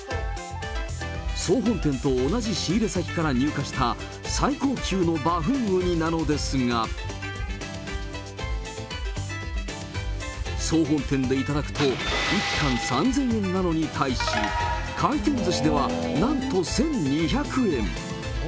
総本店と同じ仕入れ先から入荷した、最高級のバフンウニなのですが、総本店で頂くと、１貫３０００円なのに対し、回転ずしでは、なんと１２００円。